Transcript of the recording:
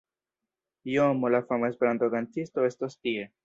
JoMo la fama Esperanto-kantisto estos tie